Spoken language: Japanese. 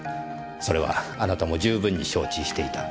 それはあなたも十分に承知していた。